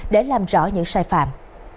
để làm rõ những sai phạm